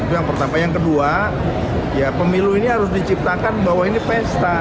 itu yang pertama yang kedua ya pemilu ini harus diciptakan bahwa ini pesta